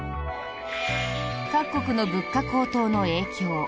各国の物価高騰の影響